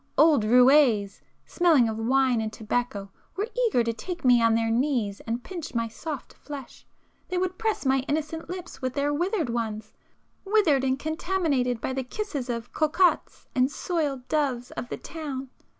Old roués, smelling of wine and tobacco, were eager to take me on their knees and pinch my soft flesh;—they would press my innocent lips with their withered ones,—withered and contaminated by the kisses of cocottes and 'soiled doves' of the town!